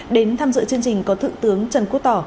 đến tham dự chương trình có thượng tướng trần quốc tỏ